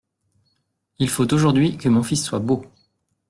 Il faut aujourd’hui que mon fils soit beau.